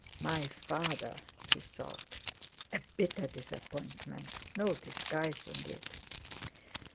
"My father!" he thought. A bitter disappointment, no disguising it!